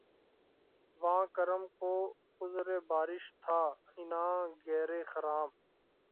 واں کرم کو عذرِ بارش تھا عناں گیرِ خرام